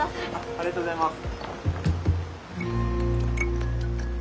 ありがとうございます。